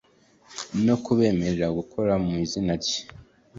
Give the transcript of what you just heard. no kubemerera gukora mu izina rye.